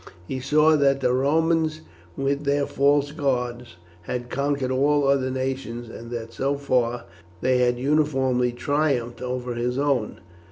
He saw that the Romans, with their false gods, had conquered all other nations, and that so far they had uniformly triumphed over his own.